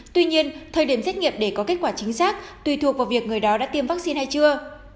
tuy nhiên thời điểm xét nghiệm để có kết quả chính xác tùy thuộc vào việc người đó đã tiêm vaccine hay chưa